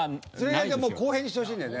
公平にしてほしいんだよね。